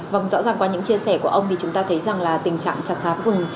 vâng rõ ràng qua những chia sẻ của ông thì chúng ta thấy rằng là tình trạng chặt phá rừng